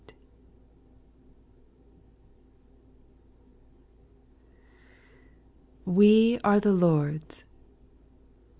ITTE are the Lord's."